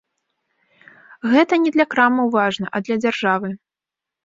Гэта не для крамаў важна, а для дзяржавы.